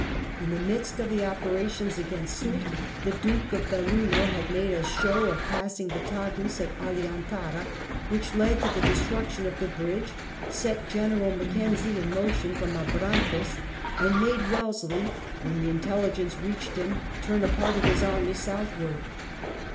In the midst of the operations against Soult, the Duke of Belluno had made a show of passing the Tagus at Alcantara, which led to the destruction of the bridge, set General Mac kenzie in motion from Abrantes, and made Wellesley, when the intelligence reached him, turn a part of his army southward.